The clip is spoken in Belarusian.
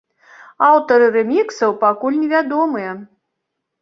Аўтары рэміксаў пакуль невядомыя.